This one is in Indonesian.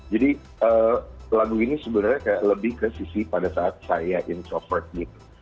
jadi lagu ini sebenarnya kayak lebih ke sisi pada saat saya introvert gitu